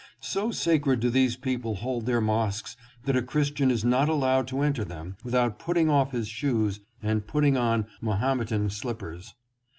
So sacred do these people hold their mosques that a Christian is not allowed to enter them without putting off his shoes and putting on Mahometan slip pers.